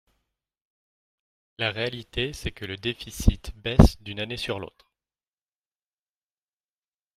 La réalité, c’est que le déficit baisse d’une année sur l’autre.